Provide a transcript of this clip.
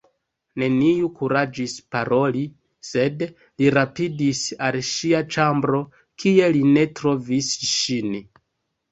Neniu kuraĝis paroli, sed li rapidis al ŝia ĉambro, kie li ne trovis ŝin.